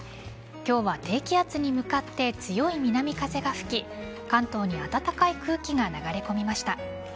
今日は低気圧に向かって強い南風が吹き関東に暖かい空気が流れ込みました。